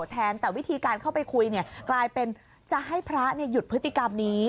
แต่วิธีการเข้าไปคุยกลายเป็นจะให้พระหยุดพฤติกรรมนี้